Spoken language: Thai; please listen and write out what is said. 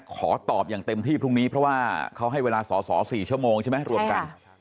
ขอตอบอย่างเต็มที่พรุ่งนี้เพราะว่าเขาให้เวลาสอสอ๔ชั่วโมงใช่ไหมรวมกัน